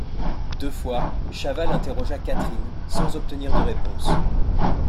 Deux fois, Chaval interrogea Catherine, sans obtenir de réponse.